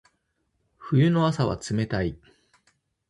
冬の朝は冷たい。